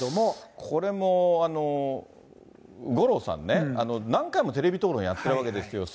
これも五郎さんね、何回もテレビ討論やってるわけですよ。